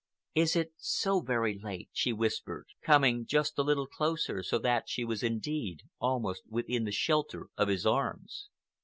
"Is it so very late?" she whispered, coming just a little closer, so that she was indeed almost within the shelter of his arms.